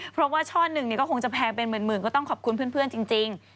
เพราะว่าช่อหนึ่งก็คงจะแพงเป็นหมื่นก็ต้องขอบคุณเพื่อนจริง